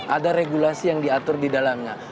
ada regulasi yang diatur di dalamnya